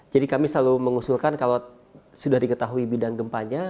jadi kami selalu mengusulkan kalau sudah diketahui bidang gempanya